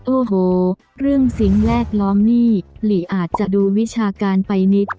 โอ้โหเรื่องสิ่งแวดล้อมนี่หลีอาจจะดูวิชาการไปนิด